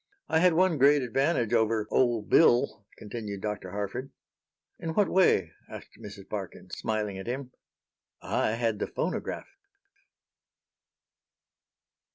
"I had one great advantage over 'old Bill,'" continued Dr. Harford. "In what way?" asked Mrs. Parkin, smiling at him. "I had the phonograph."